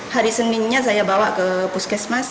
hari seninnya saya bawa ke puskesmas